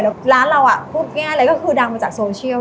แล้วร้านเราพูดง่ายเลยก็คือดังมาจากโซเชียล